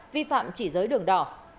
vi phạm chỉ giới đường đỏ